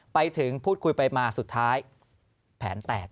ไปถึงพูดคุยไปมาสุดท้ายแผนแตก